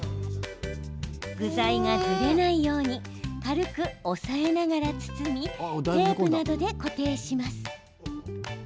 具材が、ずれないように軽く押さえながら包みテープなどで固定します。